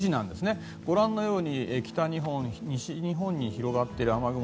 明日朝９時はご覧のように北日本、西日本に広がっている雨雲